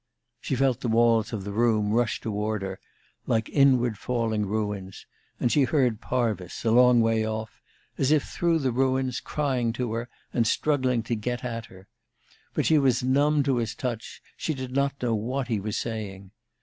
She felt the walls of the room rush toward her, like inward falling ruins; and she heard Parvis, a long way off, as if through the ruins, crying to her, and struggling to get at her. But she was numb to his touch, she did not know what he was saying.